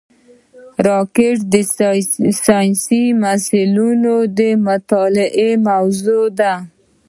راکټ د ساینسي محصلینو د مطالعې موضوع ده